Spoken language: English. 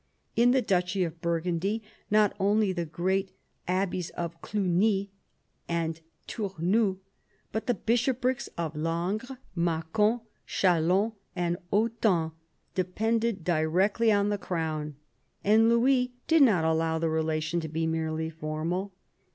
In the duchy of Burgundy not only the great abbeys of Cluny and Tournus, but the bishoprics of Langres, Macon, Chalon, and Autun depended directly on the crown, and Louis did not allow the relation to be merely formal.